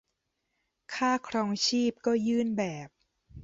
ค่าครองชีพก็ยื่นแบบ